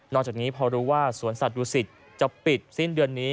จากนี้พอรู้ว่าสวนสัตว์ดูสิตจะปิดสิ้นเดือนนี้